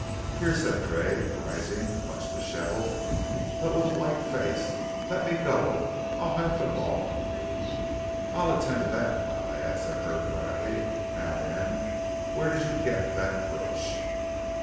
"Here," said Tray, rising, much dishevelled, but with a white face, "let me go. I'll 'ave the lawr of you." "I'll attend to that, my lad," said Hurd, dryly. "Now, then, where did you get that brooch?"